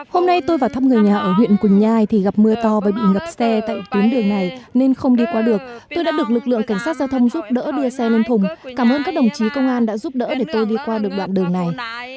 hôm nay tôi vào thăm người nhà ở huyện quỳnh nhai thì gặp mưa to và bị ngập xe tại tuyến đường này nên không đi qua được tôi đã được lực lượng cảnh sát giao thông giúp đỡ đưa xe lên thùng cảm ơn các đồng chí công an đã giúp đỡ để tôi đi qua được đoạn đường này